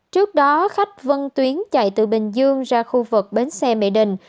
trước đó khách vân tuyến chạy từ bình dương ra khu vực bến xe mỹ đình